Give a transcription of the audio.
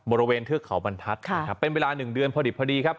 เทือกเขาบรรทัศน์เป็นเวลา๑เดือนพอดีครับ